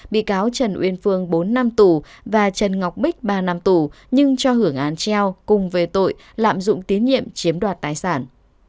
bị cáo trần uyên phương bốn năm tù và trần ngọc bích ba năm tù nhưng cho hưởng án treo cùng về tội lạm dụng tín nhiệm chiếm đoạt tài sản